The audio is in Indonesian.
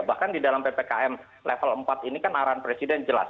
bahkan di dalam ppkm level empat ini kan arahan presiden jelas